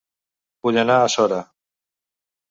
Vull anar a Sora